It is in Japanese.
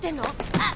あっ！